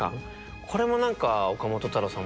これも何か岡本太郎さん